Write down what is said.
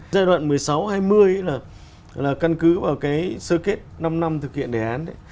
giai đoạn một mươi sáu hai mươi ấy là căn cứ vào cái sơ kết năm năm thực hiện đề án đấy